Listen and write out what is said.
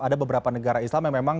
ada beberapa negara islam yang memang